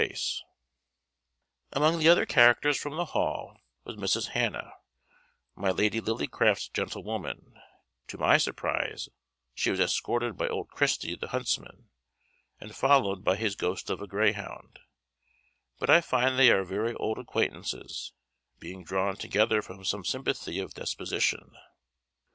[Illustration: May Queen and Bride Elect] Among the other characters from the Hall was Mrs. Hannah, my Lady Lillycraft's gentlewoman: to my surprise she was escorted by old Christy the huntsman, and followed by his ghost of a greyhound; but I find they are very old acquaintances, being drawn together from some sympathy of disposition.